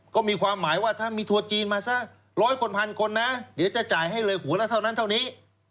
ก็มีความหมายว่าถ้ามีทัวร์จีนมาสักร้อยคนพันคนนะเดี๋ยวจะจ่ายให้เลยหัวละเท่านั้นเท่านี้